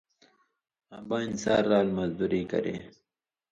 آں بانیۡ ساریۡ رال مزدوری کرے